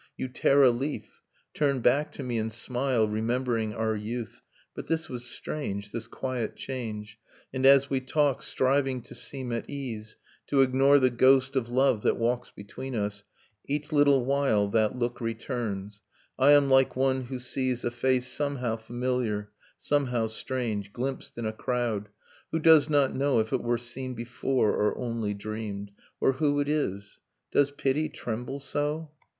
. You tear a leaf, turn back to me and smile, Remembering our youth. But this was strange, This quiet change, And as we talk, striving to seem at ease. To ignore the ghost of love that walks between us, Each little while Meditation on a June Evening That look returns, I am like one who sees A face somehow familiar, somehow strange, Glimpsed in a crowd; who does not know If it were seen before, or only dreamed, Or who it is ... Does pity tremble so